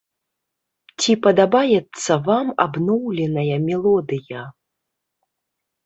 Ці падабаецца вам абноўленая мелодыя?